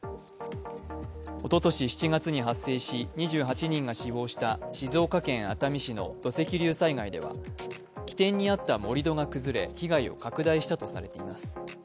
おととし７月に発生し、２８人が死亡した静岡県熱海市の土石流災害では起点にあった盛り土が崩れ被害が拡大したとされています。